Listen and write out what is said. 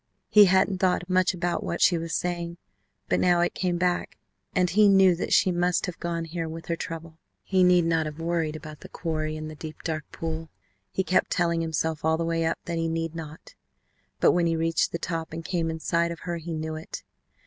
He hadn't thought much about what she was saying but now it came back and he knew that she must have gone here with her trouble. He need not have worried about the quarry and the deep, dark pool. He kept telling himself all the way up that he need not, but when he reached the top and came in sight of her he knew it.